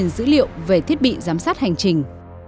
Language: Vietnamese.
dữ liệu về thiết bị giám sát hành trình